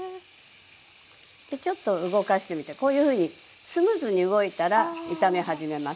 でちょっと動かしてみてこういうふうにスムーズに動いたら炒め始めます。